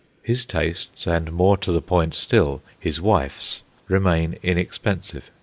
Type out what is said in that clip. His tastes, and, more to the point still, his wife's, remain inexpensive.